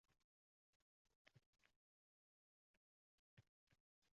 Bayram bilan yo‘qlamaydiyam deb o‘pka-gina qildim.